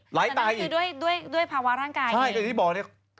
หลายตายอีก